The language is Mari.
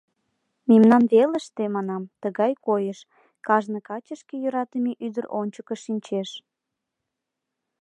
— Мемнан велыште, — манам, — тыгай койыш: кажне каче шке йӧратыме ӱдыр ончыко шинчеш.